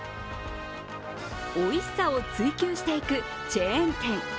おいしさを追求していくチェーン店。